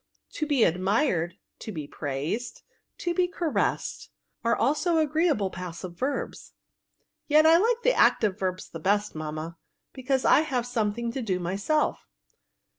To be admired, to be praised, to be caressed, are also agreeable passive verbs." " Yet I like the active verbs the best, mamma, because I have something to do myself."